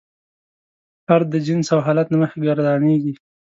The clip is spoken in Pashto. هر د جنس او حالت له مخې ګردانیږي.